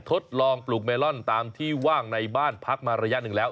ทดลองปลูกเมลอนตามที่ว่างในบ้านพักมาระยะหนึ่งแล้ว